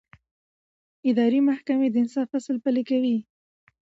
اداري محکمې د انصاف اصل پلي کوي.